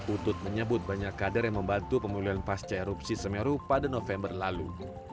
utut menyebut banyak kader yang membantu pemulihan pasca erupsi semeru pada november lalu